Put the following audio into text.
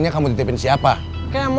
kayaknya udah kebiasaan